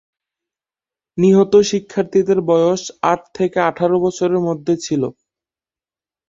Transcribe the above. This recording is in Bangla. নিহত শিক্ষার্থীদের বয়স আট থেকে আঠারো বছরের মধ্যে ছিল।